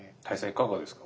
いかがですか？